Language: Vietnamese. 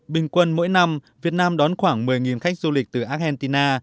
bình quân mỗi năm việt nam đón khoảng một mươi khách du lịch từ argentina